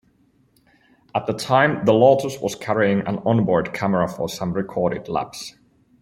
At the time the Lotus was carrying an onboard camera for some recorded laps.